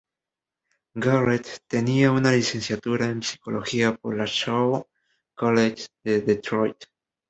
Garrett tenía una licenciatura en psicología por la Shaw College de Detroit.